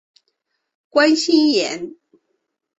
关心妍